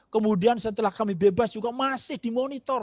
kemudian setelah kami bebas juga masih dimonitor